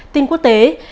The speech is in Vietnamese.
tin quốc tế